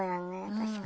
確かに。